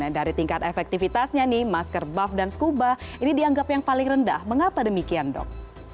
dari tingkat efektivitasnya nih masker buff dan skuba ini dianggap yang paling rendah mengapa demikian dok